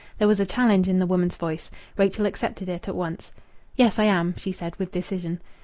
There was a challenge in the woman's voice. Rachel accepted it at once. "Yes, I am," she said, with decision.